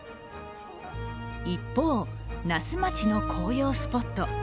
一方、那須町の紅葉スポット。